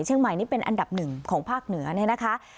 ใหม่นี่เป็นอันดับหนึ่งของภาคเหนือเนี่ยนะคะ